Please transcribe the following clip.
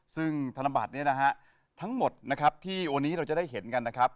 ซึ่งธนบัตรนี้นะฮะทั้งหมดนะครับที่วันนี้เราจะได้เห็นกันนะครับ